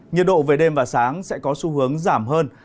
nhiệt độ về đêm và sáng sẽ có xu hướng giảm hơn